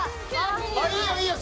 いいよいいよ！